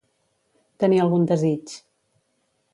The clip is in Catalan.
Tenir algun desig.